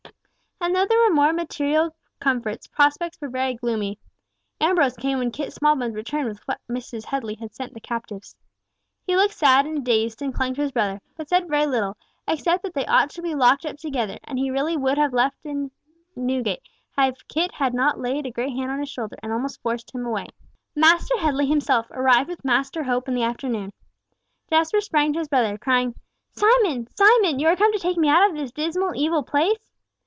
And though there were more material comforts, prospects were very gloomy. Ambrose came when Kit Smallbones returned with what Mrs. Headley had sent the captives. He looked sad and dazed, and clung to his brother, but said very little, except that they ought to be locked up together, and he really would have been left in Newgate, if Kit had not laid a great hand on his shoulder and almost forced him away. Master Headley himself arrived with Master Hope in the afternoon. Jasper sprang to his brother, crying, "Simon! Simon! you are come to take me out of this dismal, evil place?"